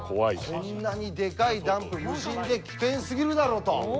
こんなにでかいダンプ無人で危険すぎるだろうと。